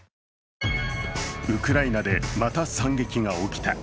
ウクライナでまた惨劇が起きた。